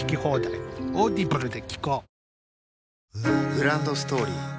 グランドストーリー